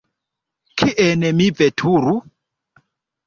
Kien mi veturu?